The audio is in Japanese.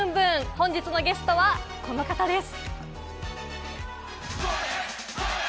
本日のゲストはこの方です。